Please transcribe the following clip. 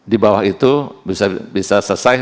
di bawah itu bisa selesai